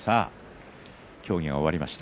協議が終わりました。